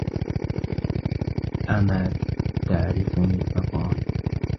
أَمَا تَعْرِفُنِي ؟ فَقَالَ